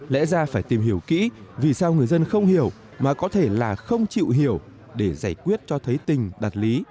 lẽ ra phải tìm hiểu kỹ vì sao người dân không hiểu mà có thể là không chịu hiểu để giải quyết cho thấy tình đạt lý